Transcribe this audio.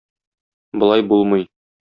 Болай булмый.